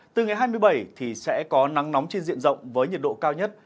từ ngày hai mươi bảy thì sẽ có nắng nóng trên diện rộng với nhiệt độ cao nhất